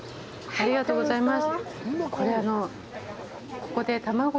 ありがとうございます。